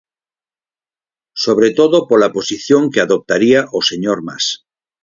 Sobre todo pola posición que adoptaría o señor Mas.